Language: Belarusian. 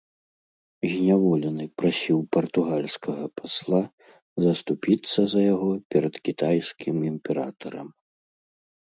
Зняволены прасіў партугальскага пасла заступіцца за яго перад кітайскім імператарам.